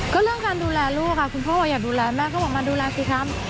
ก็เรื่องการดูแลลูกค่ะคุณพ่ออยากดูแลแม่ก็บอกมาดูแลสิครับ